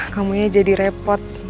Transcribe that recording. kamunya jadi repot